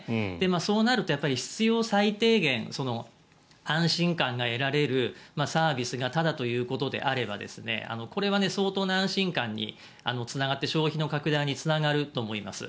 そうなると必要最低限安心感が得られるサービスがタダということであればこれは相当な安心感につながって、消費の拡大につながると思います。